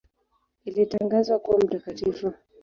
Alitangazwa kuwa mtakatifu.